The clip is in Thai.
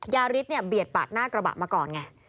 ยาริกเบียดปัดหน้ากระบะมาก่อนไง